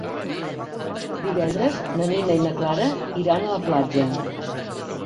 Divendres na Nina i na Clara iran a la platja.